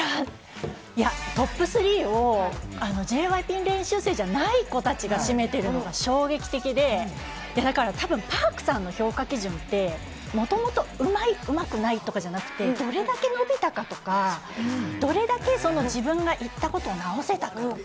トップ３をＪＹＰ練習生じゃない子たちが占めているのが衝撃的で、Ｐａｒｋさんの評価基準って、もともとうまい、うまくないじゃなくて、どれだけ伸びたかとか、どれだけ自分が言ったことを直せたかとか。